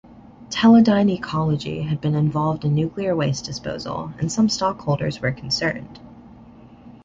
Teledyne Ecology had been involved in nuclear waste disposal, and some stockholders were concerned.